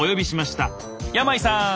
山井さん！